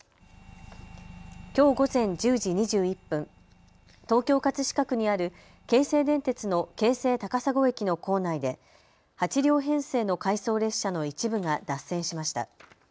きょう午前１０時２１分、東京葛飾区にある京成電鉄の京成高砂駅の構内で８両編成の回送列車の一部が脱線しました。